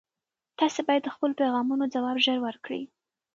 تاسي باید د خپلو پیغامونو ځواب ژر ورکړئ.